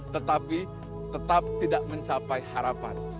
tetapi tetap tidak mencapai harapan